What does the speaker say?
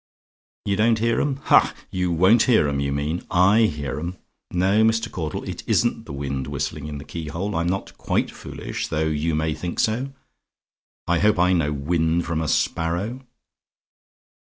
"YOU DON'T HEAR 'EM? "Ha! you won't hear 'em, you mean: I hear 'em. No, Mr. Caudle; it ISN'T the wind whistling in the keyhole; I'm not quite foolish, though you may think so. I hope I know wind from a sparrow!